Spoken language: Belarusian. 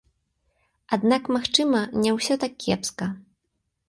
Аднак, магчыма, не ўсё так кепска.